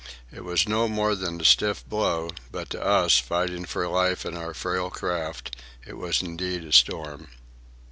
It was no more than a stiff blow, but to us, fighting for life in our frail craft, it was indeed a storm.